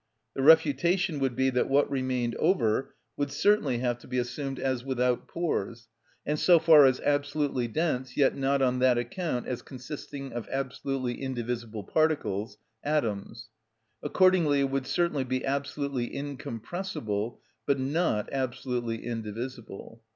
The refutation would be that what remained over would certainly have to be assumed as without pores, and so far as absolutely dense, yet not on that account as consisting of absolutely indivisible particles, atoms; accordingly it would certainly be absolutely incompressible, but not absolutely indivisible.